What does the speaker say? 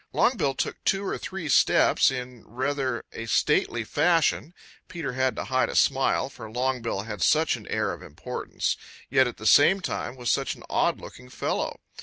Longbill took two or three steps in rather a stately fashion. Peter had to hide a smile, for Longbill had such an air of importance, yet at the same time was such an odd looking fellow.